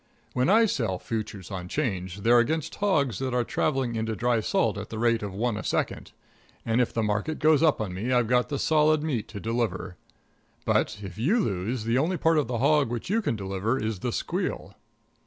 When I sell futures on 'Change, they're against hogs that are traveling into dry salt at the rate of one a second, and if the market goes up on me I've got the solid meat to deliver. But, if you lose, the only part of the hog which you can deliver is the squeal.